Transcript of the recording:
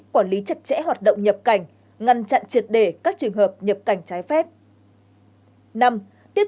quản lý chặt chẽ hoạt động nhập cảnh ngăn chặn triệt để các trường hợp nhập cảnh trái phép